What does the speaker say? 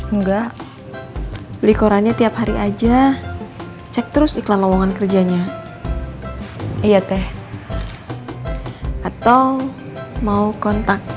enggak beli korannya tiap hari aja cek terus iklan lowongan kerjanya iya teh atau mau kontak